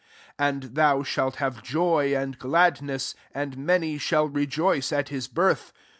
14 And thou ehalt have joy nd gladneee / and many shall re* ice at hie birth.